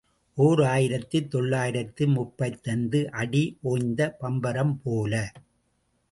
ஓர் ஆயிரத்து தொள்ளாயிரத்து முப்பத்தைந்து ஆடி ஓய்ந்த பம்பரம் போல.